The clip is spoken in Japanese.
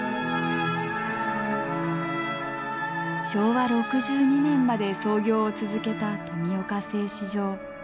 昭和６２年まで操業を続けた富岡製糸場。